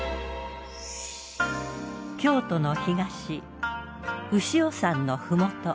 京都の東牛尾山の麓。